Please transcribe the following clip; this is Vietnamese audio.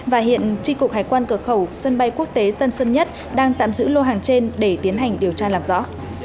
và hiện tri cục hải quan cửa khẩu sân bay quốc tế tân sơn nhất đang tạm giữ lô hàng trên để tiến hành điều tra làm rõ